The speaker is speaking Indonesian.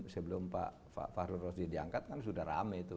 sebelum pak fahdur roshidi diangkat kan sudah rame itu